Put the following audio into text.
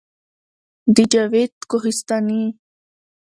د جاوید کوهستاني